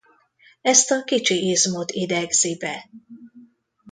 Ezt a kicsi izmot idegzi be.